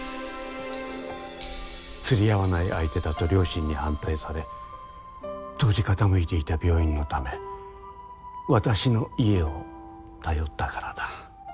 釣り合わない相手だと両親に反対され当時傾いていた病院のため私の家を頼ったからだ。